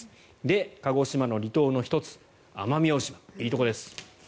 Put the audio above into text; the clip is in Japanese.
鹿児島の離島の１つ、奄美大島いいところです。